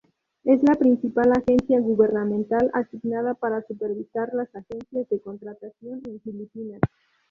Es la principal agencia gubernamental asignada para supervisar las agencias de contratación en Filipinas.